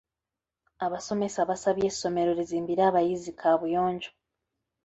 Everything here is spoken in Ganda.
Abasomesa baasabye essomero lizimbire abayizi kaabuyonjo.